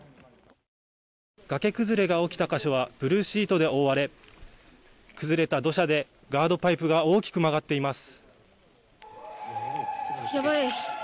崖崩れが起きた個所はブルーシートで覆われ崩れた土砂でガードパイプが大きく曲がっています。